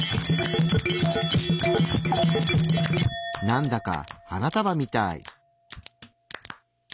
なんだか花束みたい。